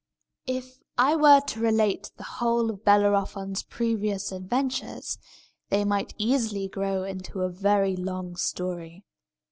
If I were to relate the whole of Bellerophon's previous adventures, they might easily grow into a very long story.